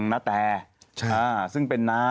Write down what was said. แบบอย่างนี้ไง